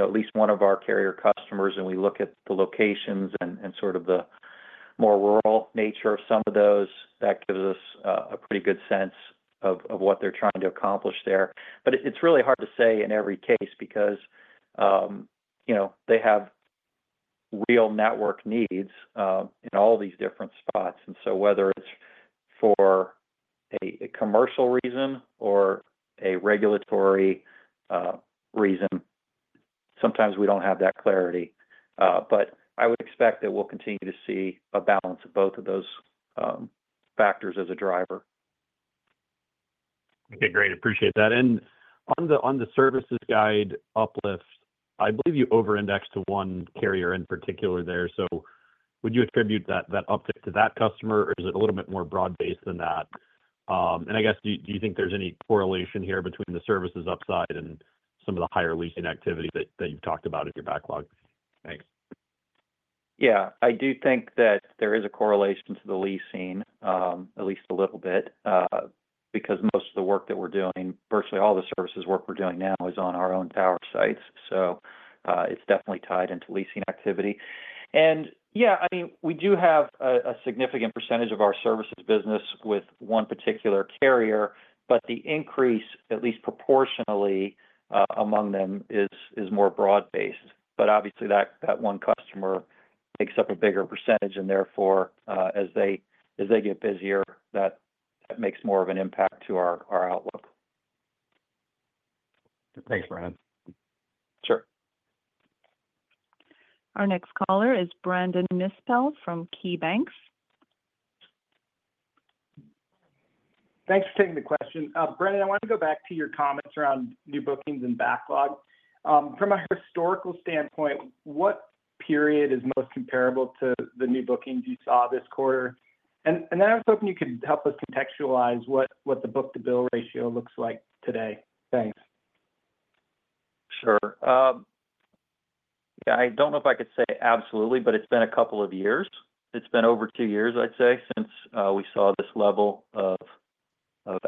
at least one of our carrier customers and we look at the locations and sort of the more rural nature of some of those, that gives us a pretty good sense of what they're trying to accomplish there. It's really hard to say in every case because they have real network needs in all these different spots. Whether it's for a commercial reason or a regulatory reason, sometimes we don't have that clarity. I would expect that we'll continue to see a balance of both of those factors as a driver. Okay. Great. Appreciate that. On the services guide uplift, I believe you over-indexed to one carrier in particular there. Would you attribute that uplift to that customer, or is it a little bit more broad-based than that? I guess, do you think there's any correlation here between the services upside and some of the higher leasing activity that you've talked about in your backlog? Thanks. Yeah. I do think that there is a correlation to the leasing, at least a little bit, because most of the work that we're doing, virtually all the services work we're doing now, is on our own tower sites. It is definitely tied into leasing activity. Yeah, I mean, we do have a significant percentage of our services business with one particular carrier, but the increase, at least proportionally among them, is more broad-based. Obviously, that one customer takes up a bigger percentage. Therefore, as they get busier, that makes more of an impact to our outlook. Thanks, Brendan. Sure. Our next caller is Brandon Nispel from KeyBanc. Thanks for taking the question. Brendan, I wanted to go back to your comments around new bookings and backlog. From a historical standpoint, what period is most comparable to the new bookings you saw this quarter? I was hoping you could help us contextualize what the book-to-bill ratio looks like today. Thanks. Sure. Yeah. I don't know if I could say absolutely, but it's been a couple of years. It's been over two years, I'd say, since we saw this level of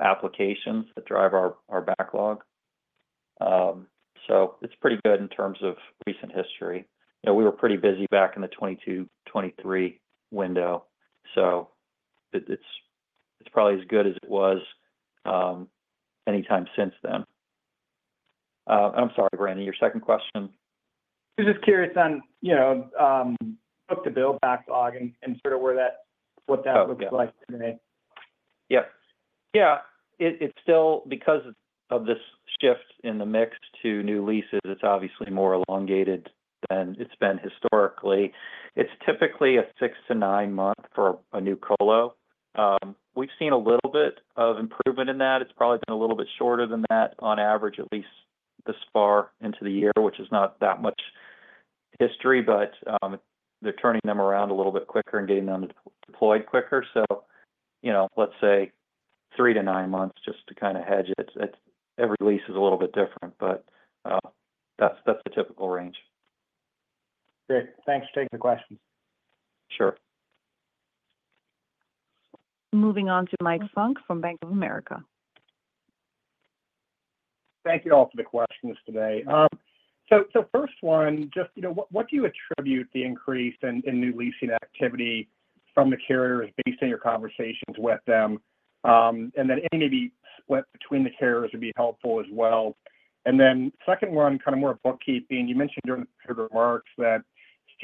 applications that drive our backlog. It's pretty good in terms of recent history. We were pretty busy back in the 2022, 2023 window. It's probably as good as it was anytime since then. I'm sorry, Brendan. Your second question? I was just curious on book-to-bill backlog and sort of what that looks like today. Yep. Yeah. Because of this shift in the mix to new leases, it's obviously more elongated than it's been historically. It's typically a six- to nine-month for a new colo. We've seen a little bit of improvement in that. It's probably been a little bit shorter than that on average, at least thus far into the year, which is not that much history, but they're turning them around a little bit quicker and getting them deployed quicker. Let's say three- to nine-months just to kind of hedge it. Every lease is a little bit different, but that's the typical range. Great. Thanks for taking the questions. Sure. Moving on to Mike Funk from Bank of America. Thank you all for the questions today. First one, just what do you attribute the increase in new leasing activity from the carriers based on your conversations with them? Any maybe split between the carriers would be helpful as well. Second one, kind of more bookkeeping. You mentioned during the remarks that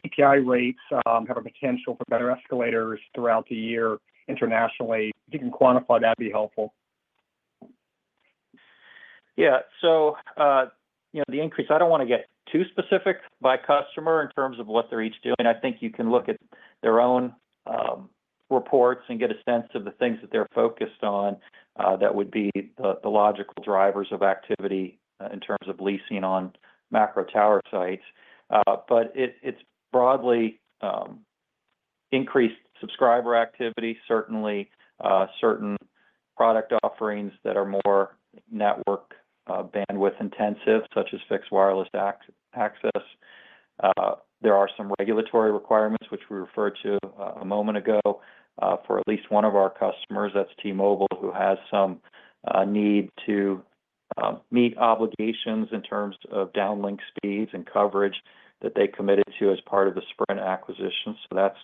CPI rates have a potential for better escalators throughout the year internationally. If you can quantify that, it'd be helpful. Yeah. The increase, I don't want to get too specific by customer in terms of what they're each doing. I think you can look at their own reports and get a sense of the things that they're focused on that would be the logical drivers of activity in terms of leasing on macro tower sites. It's broadly increased subscriber activity, certainly certain product offerings that are more network bandwidth intensive, such as fixed wireless access. There are some regulatory requirements, which we referred to a moment ago, for at least one of our customers. That's T-Mobile, who has some need to meet obligations in terms of downlink speeds and coverage that they committed to as part of the Sprint acquisition. That's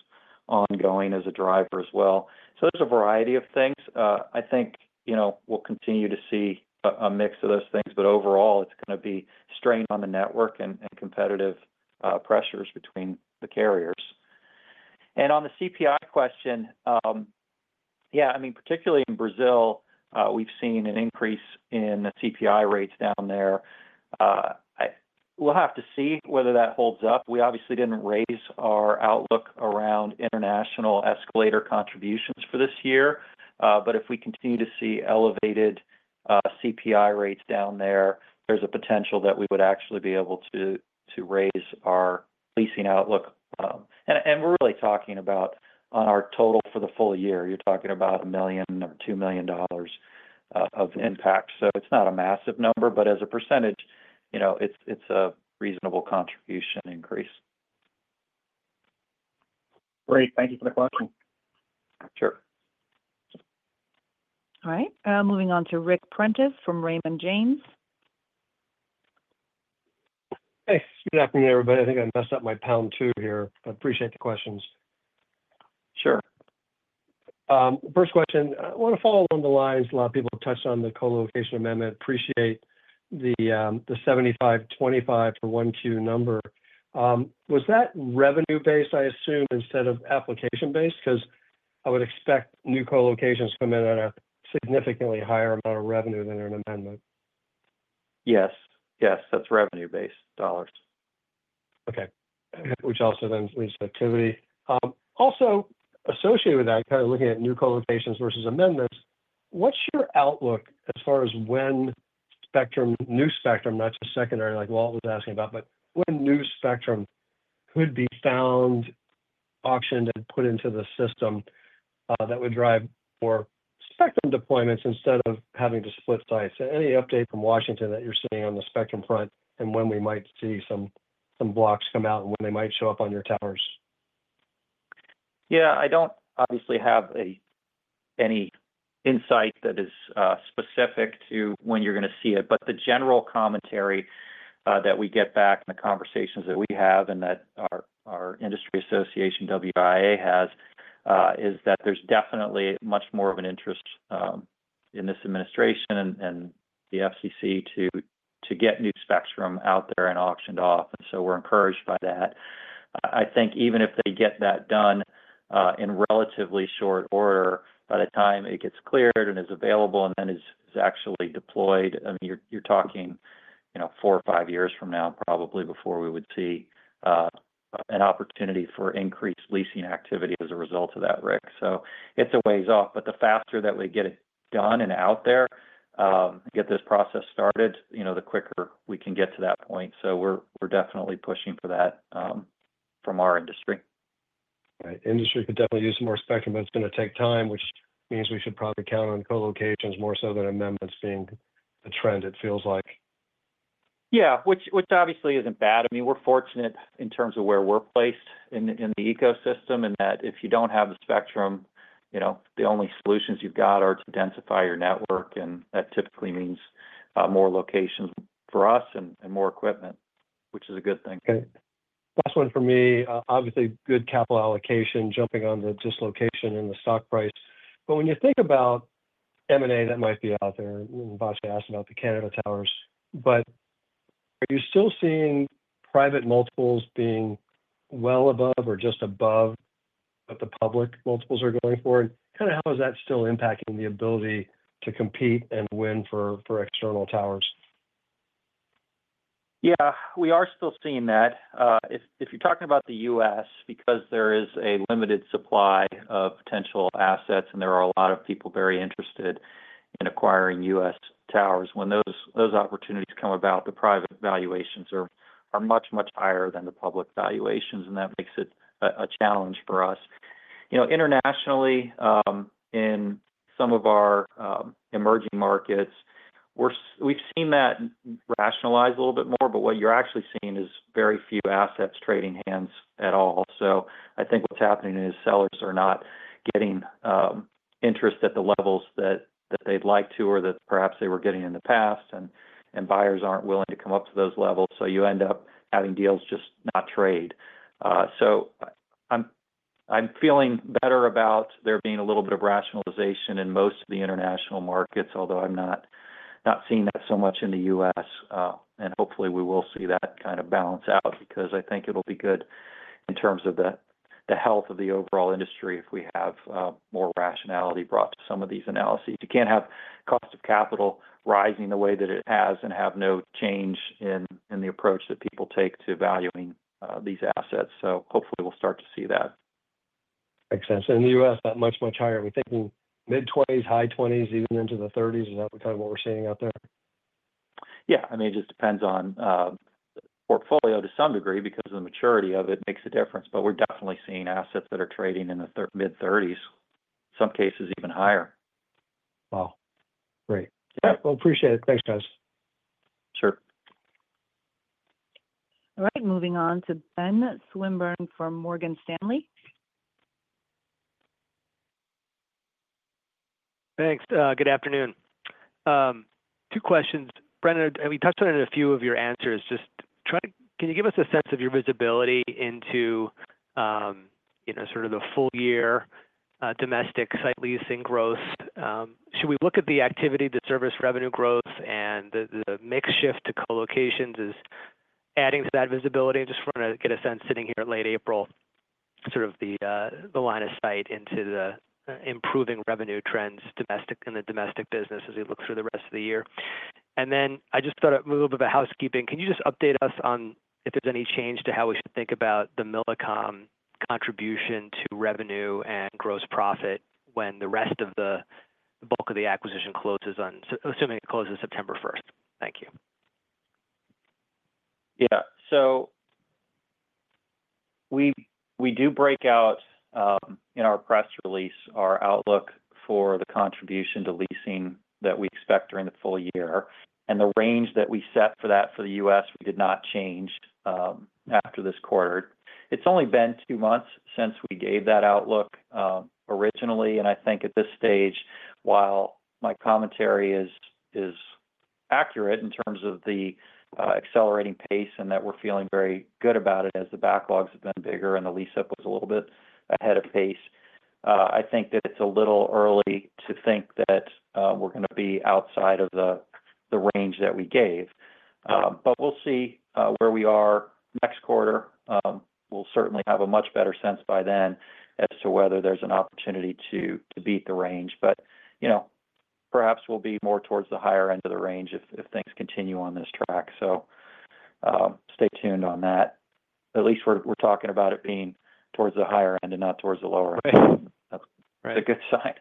ongoing as a driver as well. There's a variety of things. I think we'll continue to see a mix of those things. Overall, it's going to be strained on the network and competitive pressures between the carriers. On the CPI question, yeah, I mean, particularly in Brazil, we've seen an increase in CPI rates down there. We'll have to see whether that holds up. We obviously didn't raise our outlook around international escalator contributions for this year. If we continue to see elevated CPI rates down there, there's a potential that we would actually be able to raise our leasing outlook. We're really talking about on our total for the full year, you're talking about a million or $2 million of impact. It's not a massive number, but as a percentage, it's a reasonable contribution increase. Great. Thank you for the question. Sure. All right. Moving on to Ric Prentiss from Raymond James. Hey. Good afternoon, everybody. I think I messed up my pound two here. I appreciate the questions. Sure. First question. I want to follow along the lines. A lot of people have touched on the colocation amendment. Appreciate the 75%, 25% for 1Q number. Was that revenue-based, I assume, instead of application-based? Because I would expect new colocations to come in at a significantly higher amount of revenue than an amendment. Yes. Yes. That's revenue-based dollars. Okay. Which also then leads to activity. Also, associated with that, kind of looking at new colocations versus amendments, what's your outlook as far as when new spectrum, not just secondary, like Walt was asking about, but when new spectrum could be found, auctioned, and put into the system that would drive more spectrum deployments instead of having to split sites? Any update from Washington that you're seeing on the spectrum front and when we might see some blocks come out and when they might show up on your towers? Yeah. I don't obviously have any insight that is specific to when you're going to see it. The general commentary that we get back in the conversations that we have and that our industry association, WIA has, is that there's definitely much more of an interest in this administration and the FCC to get new spectrum out there and auctioned off. We're encouraged by that. I think even if they get that done in relatively short order, by the time it gets cleared and is available and then is actually deployed, I mean, you're talking four or five years from now, probably, before we would see an opportunity for increased leasing activity as a result of that, Ric. It's a ways off. The faster that we get it done and out there, get this process started, the quicker we can get to that point. We're definitely pushing for that from our industry. Right. Industry could definitely use some more spectrum, but it's going to take time, which means we should probably count on colocations more so than amendments being the trend, it feels like. Yeah. Which obviously isn't bad. I mean, we're fortunate in terms of where we're placed in the ecosystem in that if you don't have the spectrum, the only solutions you've got are to densify your network. And that typically means more locations for us and more equipment, which is a good thing. Okay. Last one for me. Obviously, good capital allocation, jumping on the dislocation in the stock price. When you think about M&A that might be out there, and Batya asked about the Canada towers, are you still seeing private multiples being well above or just above what the public multiples are going for? How is that still impacting the ability to compete and win for external towers? Yeah. We are still seeing that. If you're talking about the U.S., because there is a limited supply of potential assets and there are a lot of people very interested in acquiring U.S. towers, when those opportunities come about, the private valuations are much, much higher than the public valuations. That makes it a challenge for us. Internationally, in some of our emerging markets, we've seen that rationalize a little bit more. What you're actually seeing is very few assets trading hands at all. I think what's happening is sellers are not getting interest at the levels that they'd like to or that perhaps they were getting in the past. Buyers aren't willing to come up to those levels. You end up having deals just not trade. I'm feeling better about there being a little bit of rationalization in most of the international markets, although I'm not seeing that so much in the U.S. Hopefully, we will see that kind of balance out because I think it'll be good in terms of the health of the overall industry if we have more rationality brought to some of these analyses. You can't have cost of capital rising the way that it has and have no change in the approach that people take to valuing these assets. Hopefully, we'll start to see that. Makes sense. In the U.S., that much, much higher. Are we thinking mid-20s, high 20s, even into the 30s? Is that kind of what we're seeing out there? Yeah. I mean, it just depends on the portfolio to some degree because the maturity of it makes a difference. We're definitely seeing assets that are trading in the mid-30s, some cases even higher. Wow. Great. Appreciate it. Thanks, guys. Sure. All right. Moving on to Ben Swinburne from Morgan Stanley. Thanks. Good afternoon. Two questions. Brendan, we touched on it in a few of your answers. Just can you give us a sense of your visibility into sort of the full-year domestic site leasing growth? Should we look at the activity, the service revenue growth, and the mix shift to colocations as adding to that visibility? Just want to get a sense sitting here at late April, sort of the line of sight into the improving revenue trends in the domestic business as we look through the rest of the year. I just thought a little bit of housekeeping. Can you just update us on if there's any change to how we should think about the Millicom contribution to revenue and gross profit when the rest of the bulk of the acquisition closes, assuming it closes September 1? Thank you. Yeah. We do break out in our press release our outlook for the contribution to leasing that we expect during the full year. The range that we set for that for the U.S., we did not change after this quarter. It's only been two months since we gave that outlook originally. I think at this stage, while my commentary is accurate in terms of the accelerating pace and that we're feeling very good about it as the backlogs have been bigger and the lease-up was a little bit ahead of pace, I think that it's a little early to think that we're going to be outside of the range that we gave. We'll see where we are next quarter. We'll certainly have a much better sense by then as to whether there's an opportunity to beat the range. Perhaps we'll be more towards the higher end of the range if things continue on this track. Stay tuned on that. At least we're talking about it being towards the higher end and not towards the lower. That's a good sign.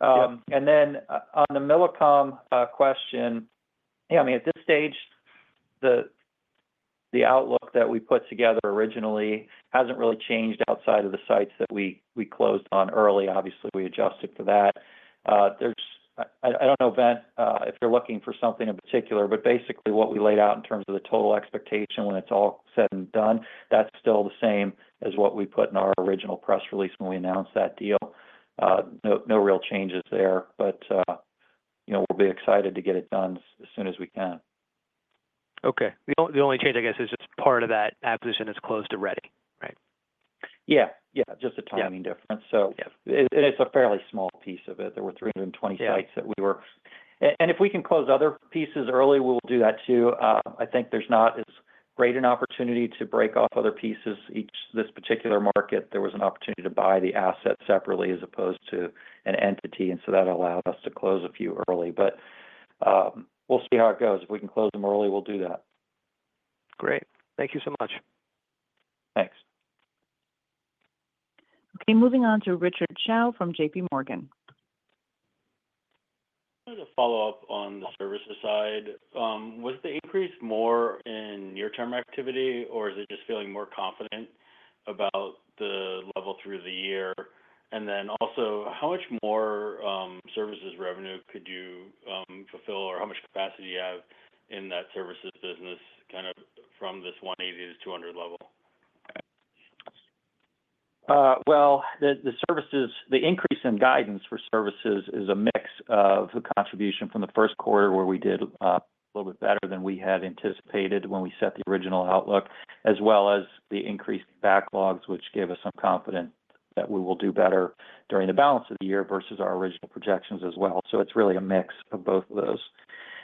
On the Millicom question, yeah, I mean, at this stage, the outlook that we put together originally hasn't really changed outside of the sites that we closed on early. Obviously, we adjusted for that. I don't know, Ben, if you're looking for something in particular, but basically what we laid out in terms of the total expectation when it's all said and done, that's still the same as what we put in our original press release when we announced that deal. No real changes there. We'll be excited to get it done as soon as we can. Okay. The only change, I guess, is just part of that acquisition is close to ready, right? Yeah. Yeah. Just a timing difference. And it's a fairly small piece of it. There were 320 sites that we were. If we can close other pieces early, we'll do that too. I think there's not as great an opportunity to break off other pieces. Each this particular market, there was an opportunity to buy the asset separately as opposed to an entity. That allowed us to close a few early. We'll see how it goes. If we can close them early, we'll do that. Great. Thank you so much. Thanks. Okay. Moving on to Richard Choe from JPMorgan. I have a follow-up on the services side. Was the increase more in near-term activity, or is it just feeling more confident about the level through the year? Also, how much more services revenue could you fulfill, or how much capacity do you have in that services business kind of from this $180 million-$200 million level? The increase in guidance for services is a mix of the contribution from the first quarter, where we did a little bit better than we had anticipated when we set the original outlook, as well as the increased backlogs, which gave us some confidence that we will do better during the balance of the year versus our original projections as well. It is really a mix of both of those.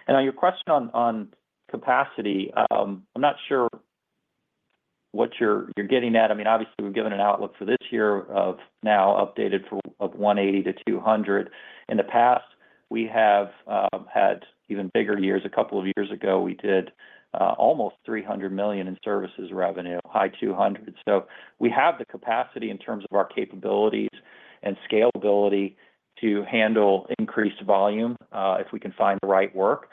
On your question on capacity, I'm not sure what you're getting at. I mean, obviously, we've given an outlook for this year of now updated of $180 million-$200 million. In the past, we have had even bigger years. A couple of years ago, we did almost $300 million in services revenue, high $200 million. We have the capacity in terms of our capabilities and scalability to handle increased volume if we can find the right work.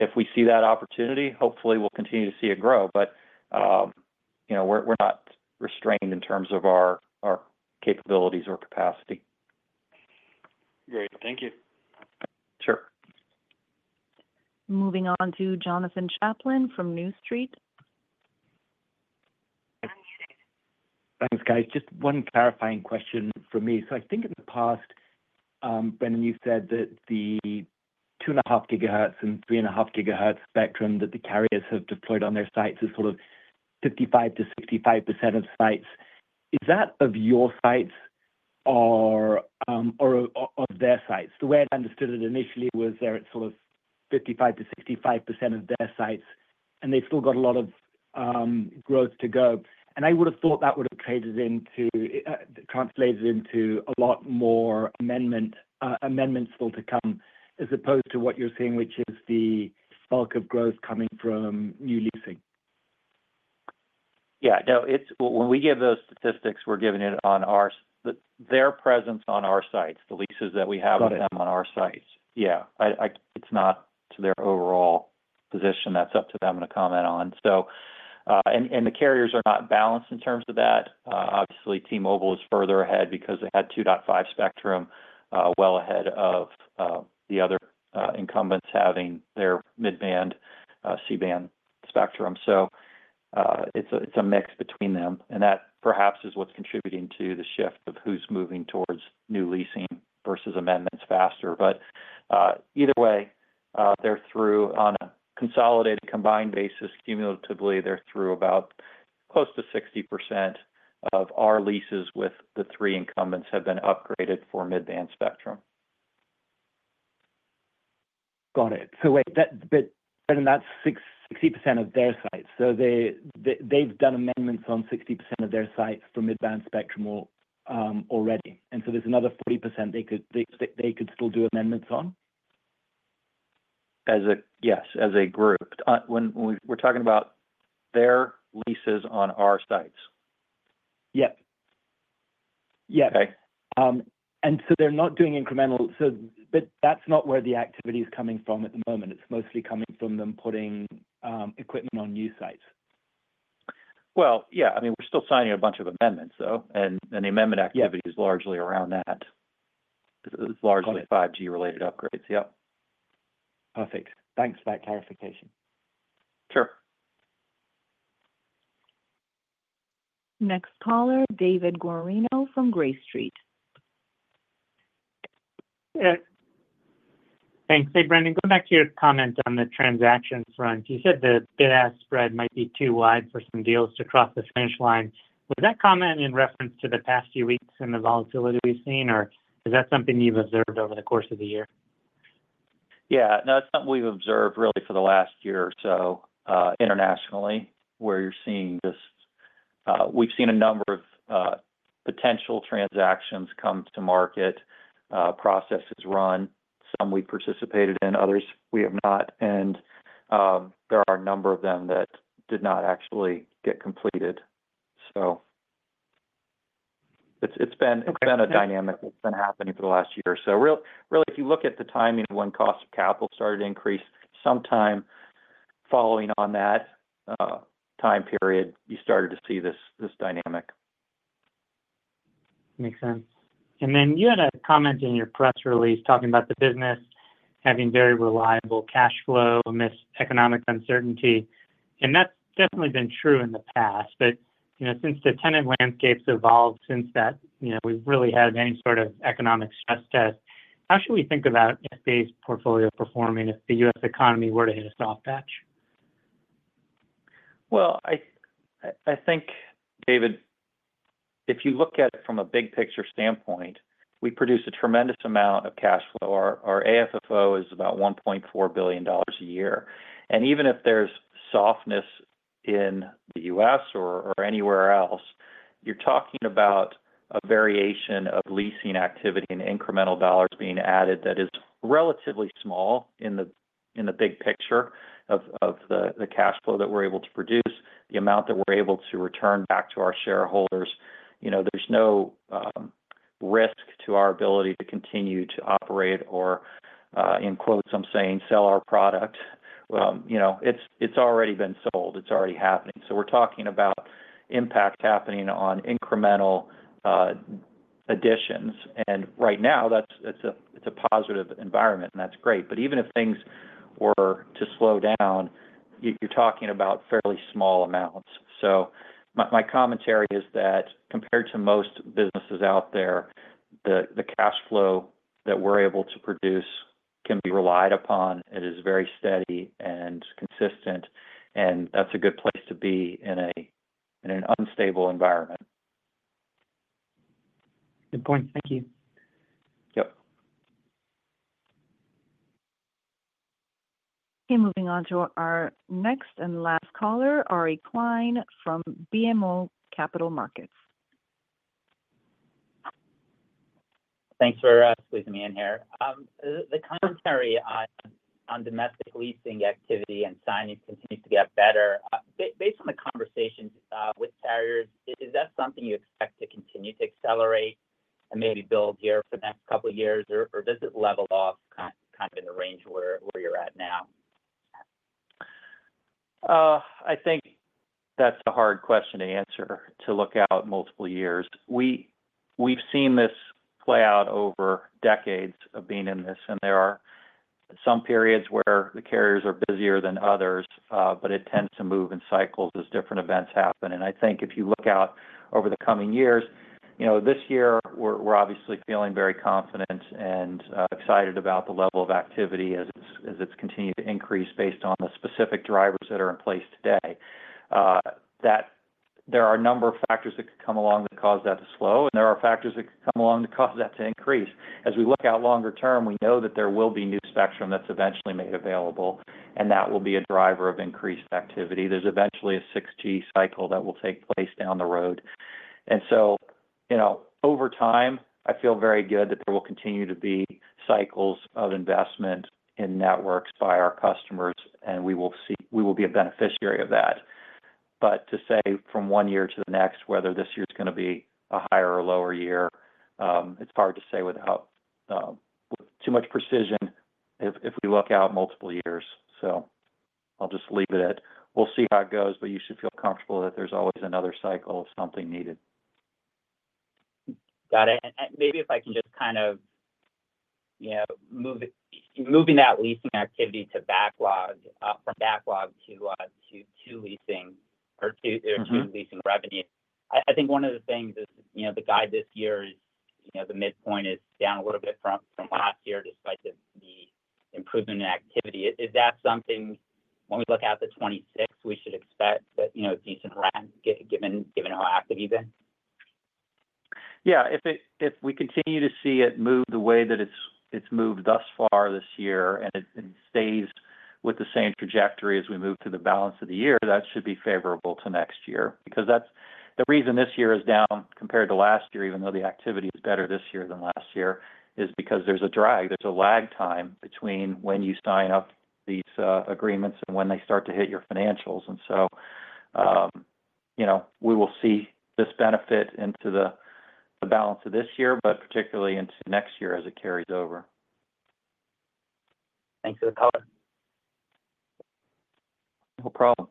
If we see that opportunity, hopefully, we'll continue to see it grow. We're not restrained in terms of our capabilities or capacity. Great. Thank you. Sure. Moving on to Jonathan Chaplin from New Street. Thanks, guys. Just one clarifying question for me. I think in the past, Brendan, you said that the 2.5 gigahertz and 3.5 gigahertz spectrum that the carriers have deployed on their sites is sort of 55%-65% of sites. Is that of your sites or of their sites? The way I understood it initially was they're at sort of 55%-65% of their sites, and they've still got a lot of growth to go. I would have thought that would have translated into a lot more amendments still to come as opposed to what you're seeing, which is the bulk of growth coming from new leasing. Yeah. No. When we give those statistics, we're giving it on their presence on our sites, the leases that we have with them on our sites. Yeah. It's not to their overall position. That's up to them to comment on. The carriers are not balanced in terms of that. Obviously, T-Mobile is further ahead because they had 2.5 spectrum well ahead of the other incumbents having their mid-band, C-band spectrum. It's a mix between them. That perhaps is what's contributing to the shift of who's moving towards new leasing versus amendments faster. Either way, they're through on a consolidated combined basis, cumulatively, they're through about close to 60% of our leases with the three incumbents have been upgraded for mid-band spectrum. Got it. Wait. Brendan, that's 60% of their sites. They've done amendments on 60% of their sites for mid-band spectrum already. There's another 40% they could still do amendments on? Yes, as a group. We're talking about their leases on our sites? Yes. Yes. They are not doing incremental. That is not where the activity is coming from at the moment. It is mostly coming from them putting equipment on new sites? Yeah. I mean, we're still signing a bunch of amendments, though. The amendment activity is largely around that. It's largely 5G-related upgrades. Yep. Perfect. Thanks for that clarification. Sure. Next caller, David Guarino from Green Street. Thanks. Hey Brendan. Going back to your comment on the transaction front, you said the bid-ask spread might be too wide for some deals to cross the finish line. Was that comment in reference to the past few weeks and the volatility we've seen, or is that something you've observed over the course of the year? Yeah. No, it's something we've observed really for the last year or so internationally, where you're seeing just we've seen a number of potential transactions come to market, processes run. Some we've participated in. Others, we have not. There are a number of them that did not actually get completed. It's been a dynamic that's been happening for the last year or so. Really, if you look at the timing when cost of capital started to increase, sometime following on that time period, you started to see this dynamic. Makes sense. You had a comment in your press release talking about the business having very reliable cash flow, economic uncertainty. That's definitely been true in the past. Since the tenant landscape's evolved, since we've really had any sort of economic stress test, how should we think about SBA's portfolio performing if the U.S. economy were to hit a soft patch? I think, David, if you look at it from a big-picture standpoint, we produce a tremendous amount of cash flow. Our AFFO is about $1.4 billion a year. Even if there's softness in the U.S. or anywhere else, you're talking about a variation of leasing activity and incremental dollars being added that is relatively small in the big picture of the cash flow that we're able to produce, the amount that we're able to return back to our shareholders. There's no risk to our ability to continue to operate or, in quotes, I'm saying, sell our product. It's already been sold. It's already happening. We are talking about impact happening on incremental additions. Right now, it's a positive environment, and that's great. Even if things were to slow down, you're talking about fairly small amounts. My commentary is that compared to most businesses out there, the cash flow that we're able to produce can be relied upon. It is very steady and consistent. That's a good place to be in an unstable environment. Good point. Thank you. Yep. Okay. Moving on to our next and last caller, Ari Klein from BMO Capital Markets. Thanks for squeezing me in here. The commentary on domestic leasing activity and signing continues to get better. Based on the conversations with carriers, is that something you expect to continue to accelerate and maybe build here for the next couple of years, or does it level off kind of in the range where you're at now? I think that's a hard question to answer to look out multiple years. We've seen this play out over decades of being in this. There are some periods where the carriers are busier than others, but it tends to move in cycles as different events happen. I think if you look out over the coming years, this year, we're obviously feeling very confident and excited about the level of activity as it's continued to increase based on the specific drivers that are in place today. There are a number of factors that could come along that cause that to slow, and there are factors that could come along that cause that to increase. As we look out longer term, we know that there will be new spectrum that's eventually made available, and that will be a driver of increased activity. There's eventually a 6G cycle that will take place down the road. Over time, I feel very good that there will continue to be cycles of investment in networks by our customers, and we will be a beneficiary of that. To say from one year to the next, whether this year is going to be a higher or lower year, it's hard to say with too much precision if we look out multiple years. I'll just leave it at we'll see how it goes, but you should feel comfortable that there's always another cycle if something needed. Got it. Maybe if I can just kind of moving that leasing activity from backlog to two leasing or to leasing revenues. I think one of the things is the guide this year is the midpoint is down a little bit from last year despite the improvement in activity. Is that something when we look at the 2026, we should expect a decent rent given how active you've been? Yeah. If we continue to see it move the way that it's moved thus far this year and it stays with the same trajectory as we move to the balance of the year, that should be favorable to next year. The reason this year is down compared to last year, even though the activity is better this year than last year, is because there's a drag. There's a lag time between when you sign up these agreements and when they start to hit your financials. We will see this benefit into the balance of this year, but particularly into next year as it carries over. Thanks for the call. No problem.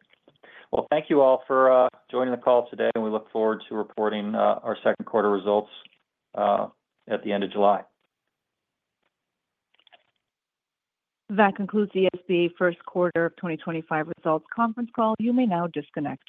Thank you all for joining the call today. We look forward to reporting our second quarter results at the end of July. That concludes the SBA first quarter of 2025 results conference call. You may now disconnect.